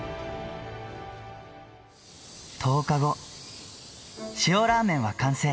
１０日後、塩らーめんは完成。